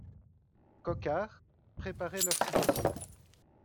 Coquart, préparez leurs citations.